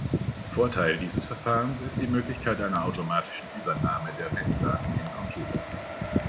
Vorteil dieses Verfahrens ist die Möglichkeit einer automatischen Übernahme der Messdaten im Computer.